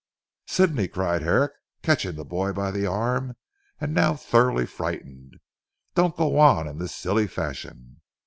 "Sidney," cried Herrick, catching the boy by the arm and now thoroughly frightened "don't go on in this silly fashion."